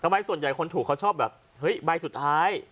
ส่วนใหญ่คนถูกเขาชอบแบบเฮ้ยใบสุดท้าย